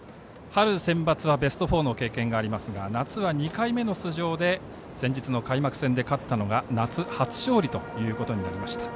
春センバツはベスト４の経験がありますが夏は２回目の出場で先日の開幕戦で勝ったのが夏初勝利ということになりました。